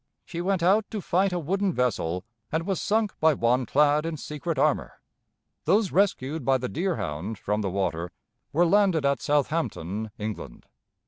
She went out to fight a wooden vessel and was sunk by one clad in secret armor. Those rescued by the Deerhound from the water were landed at Southampton, England.